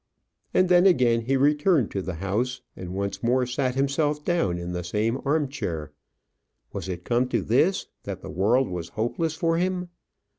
And then again he returned to the house, and once more sat himself down in the same arm chair. Was it come to this, that the world was hopeless for him?